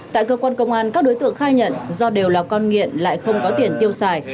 tại cơ quan công an các đối tượng khai nhận do đều là con nghiện lại không có tiền tiêu xài